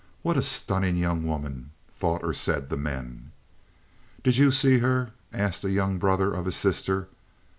"What a stunning young woman!" thought or said the men. "Did you see her?" asked a young brother of his sister.